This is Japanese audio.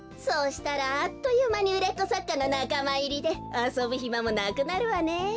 そうしたらあっというまにうれっこさっかのなかまいりであそぶひまもなくなるわね。